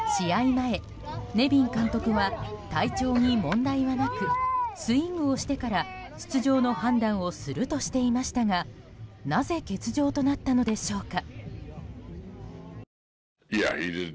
前、ネビン監督は体調に問題はなくスイングをしてから出場の判断をするとしていましたがなぜ欠場となったのでしょうか。